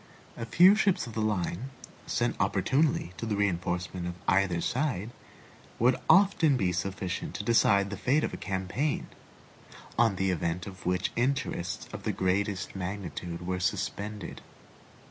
A few ships of the line, sent opportunely to the reinforcement of either side, would often be sufficient to decide the fate of a campaign, on the event of which interests of the greatest magnitude were suspended.